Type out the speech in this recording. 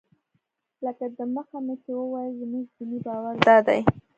لکه دمخه مې چې وویل زموږ دیني باور دادی.